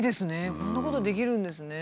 こんなことできるんですね。